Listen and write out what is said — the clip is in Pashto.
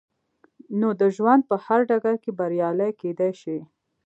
نو د ژوند په هر ډګر کې بريالي کېدای شئ.